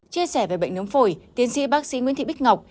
chia sẻ về bệnh nướng phổi tiến sĩ bác sĩ nguyễn thị bích ngọc